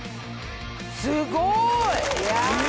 すごい！え！